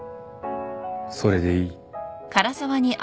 それでいい